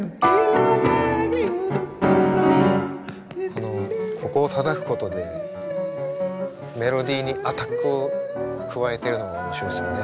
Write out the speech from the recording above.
このここをたたくことでメロディーにアタックを加えてるのが面白いですよね。